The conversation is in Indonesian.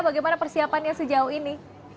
bagaimana persiapannya sejauh ini